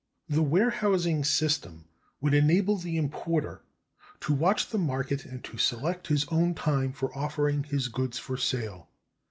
The warehousing system would enable the importer to watch the market and to select his own time for offering his goods for sale.